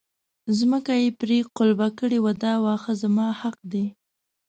ځمکه یې پرې قلبه کړې وه دا واښه زما حق دی.